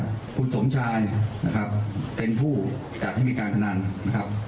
คุณสมชายนะครับเป็นผู้จัดให้มีการพนันนะครับ